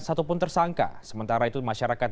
satupun tersangka sementara itu masyarakat